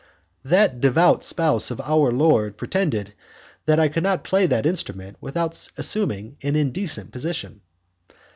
"That devout spouse of our Lord pretended that I could not play that instrument without assuming an indecent position."